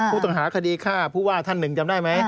ผู้ต้องหาคดีฆ่าผู้ว่าท่านหนึ่งจำได้ไหม